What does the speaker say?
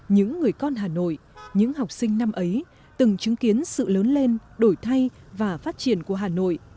những người con hà nội những học sinh năm ấy từng chứng kiến sự lớn lên đổi thay và phát triển của hà nội